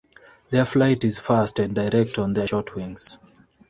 Their flight is fast and direct on their short wings.